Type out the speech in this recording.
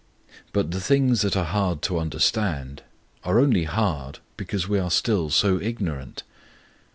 But the things that are hard to understand are only hard because we are still so ignorant.